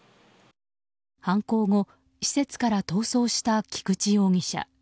犯行後、施設から逃走した菊池容疑者。